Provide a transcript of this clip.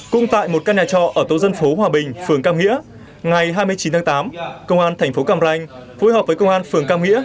cùng tại một căn nhà trọ ở tổ dân phố hòa bình phường cam hĩa ngày hai mươi chín tháng tám công an thành phố cam ranh phối hợp với công an phường cam hĩa